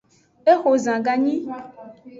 Exo zan ganyi.